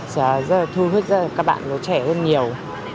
sẽ rất là thu hút các bạn nó trẻ hơn nhiều